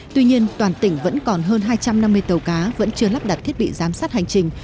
tuy nhiên toàn tỉnh vẫn còn hơn hai trăm năm mươi tàu cá vẫn chưa lắp đặt thiết bị giám sát hành trình